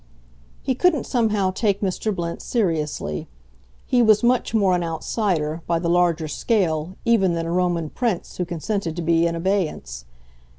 He couldn't somehow take Mr. Blint seriously he was much more an outsider, by the larger scale, even than a Roman prince who consented to be in abeyance.